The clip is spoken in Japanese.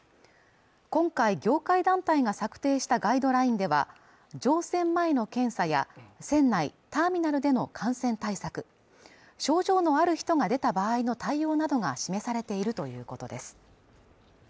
今回業界団体が策定したガイドラインでは乗船前の検査や船内ターミナルでの感染対策症状のある人が出た場合の対応などが示されているということです